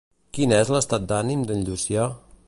Quin és l'estat d'ànim d'en Llucià?